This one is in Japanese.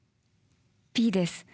Ｂです。